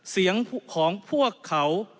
เสียงของพวกเขา